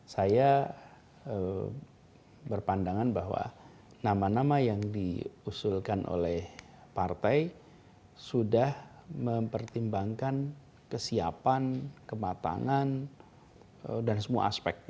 saya berpandangan bahwa nama nama yang diusulkan oleh partai sudah mempertimbangkan kesiapan kematangan dan semua aspek